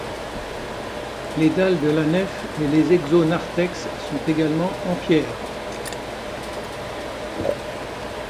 Les dalles de la nef et les exonarthex sont également en pierre.